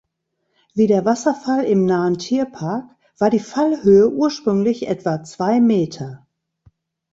Wie der Wasserfall im nahen Tierpark war die Fallhöhe ursprünglich etwa zwei Meter.